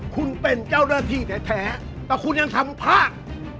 คุณเป็นเจ้าเรื่องที่แถวแต่คุณยังทำพลาด